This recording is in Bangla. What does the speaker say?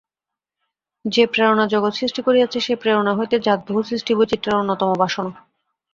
যে প্রেরণা জগৎ সৃষ্টি করিয়াছে, সেই প্রেরণা হইতেই জাত বহু সৃষ্টি-বৈচিত্র্যের অন্যতম বাসনা।